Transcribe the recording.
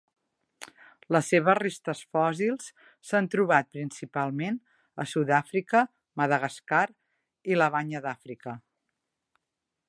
Les seves restes fòssils s'han trobat principalment a Sud-àfrica, Madagascar i la Banya d'Àfrica.